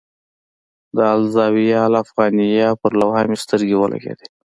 د الزاویة الافغانیه پر لوحه مې سترګې ولګېدې.